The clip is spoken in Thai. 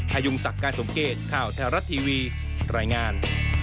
พยุงศักดิ์การสมเกตข่าวแท้รัฐทีวีรายงาน